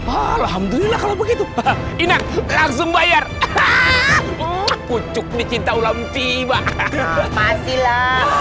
alhamdulillah kalau begitu inang langsung bayar kucuk dicinta ulang tiba tiba